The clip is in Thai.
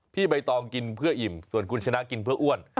ใบตองกินเพื่ออิ่มส่วนคุณชนะกินเพื่ออ้วน